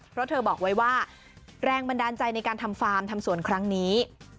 เพราะเธอบอกไว้ว่าแรงบันดาลใจในการทำฟาร์มทำสวนครั้งนี้